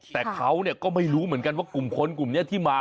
แต่เขาก็ไม่รู้เหมือนกันว่ากลุ่มคนกลุ่มนี้ที่มา